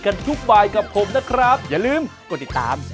อันนั้นอร่อยเนอะ